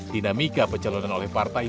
dinamika pencalonan oleh partai